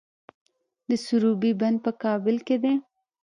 د سروبي بند په کابل کې دی